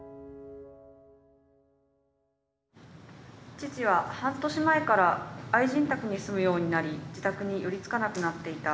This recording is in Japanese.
「父は半年前から愛人宅に住むようになり自宅に寄りつかなくなっていた。